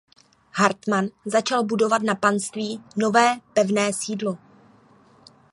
Hartman začal budovat na panství nové pevné sídlo.